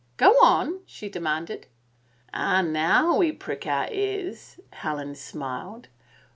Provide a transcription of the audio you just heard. " Go on," she demanded. " Ah, now we prick our ears 1 " Helen smiled.